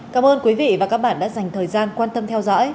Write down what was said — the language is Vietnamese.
cảm ơn quý vị và các bạn đã dành thời gian quan tâm theo dõi